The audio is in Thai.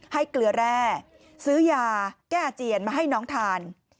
เกลือแร่ซื้อยาแก้อาเจียนมาให้น้องทาน